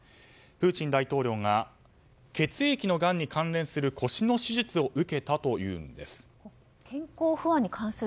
プーチン大統領が血液のがんに関連する腰の手術を受けたというんです。